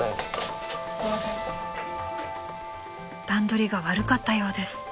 ［段取りが悪かったようです。